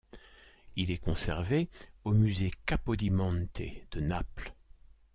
Il est conservé au musée Capodimonte de Naples.